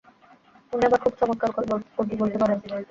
উনি আবার খুব চমৎকার গল্প বলতে পারেন।